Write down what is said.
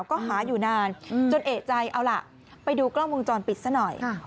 ก็หาอยู่นานจนเอกใจเอาล่ะไปดูกล้องวงจรปิดซะหน่อย